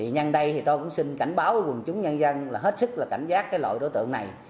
nhân đây tôi cũng xin cảnh báo quần chúng nhân dân là hết sức cảnh giác loại đối tượng này